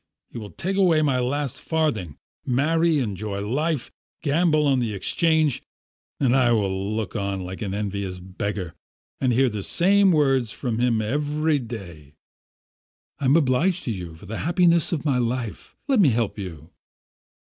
He will take away my last farthing, marry, enjoy life, gamble on the Exchange, and I will look on like an envious beggar and hear the same words from him every day: 'I'm obliged to you for the happiness of my life. Let me help you.'